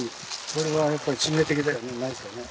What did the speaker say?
これはやっぱり致命的だよねないとね。